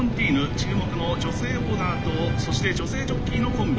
注目の女性オーナーとそして女性ジョッキーのコンビ。